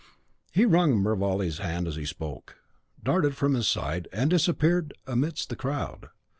'" He wrung Mervale's hand as he spoke, darted from his side, and disappeared amidst the crowd.